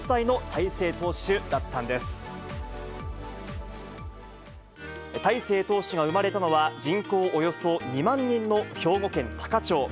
大勢投手が産まれたのは、人口およそ２万人の兵庫県多可町。